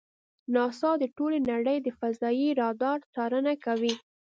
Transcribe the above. ناسا د ټولې نړۍ د فضایي رادار څارنه کوي.